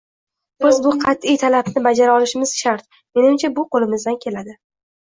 Biz bu qat’iy talabni bajara olishimiz shart, menimcha bu qo‘limizdan keladi